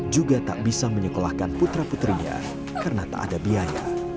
juga tak bisa menyekolahkan putra putrinya karena tak ada biaya